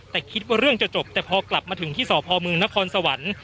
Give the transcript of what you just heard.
แต่คิดว่าเรื่องจะจบแต่พอกลับมาถึงที่สพมนครสวรรค์